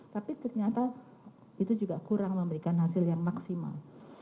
tapi ternyata itu juga kurang memberikan hasil yang maksimal